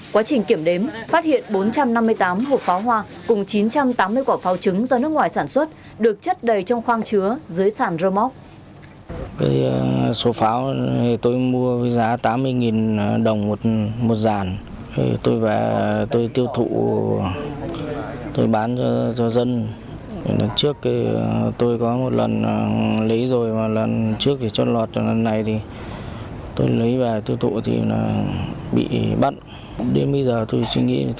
quá trình kiểm đếm phát hiện bốn trăm năm mươi tám hộp pháo hoa cùng chín trăm tám mươi quả pháo trứng do nước ngoài sản xuất được chất đầy trong khoang chứa dưới sàn romox